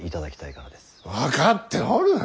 分かっておる。